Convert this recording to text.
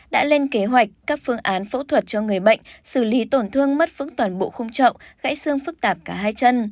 đã lên kế hoạch các phương án phẫu thuật cho người bệnh xử lý tổn thương mất vững toàn bộ khung trậu gãy xương phức tạp cả hai chân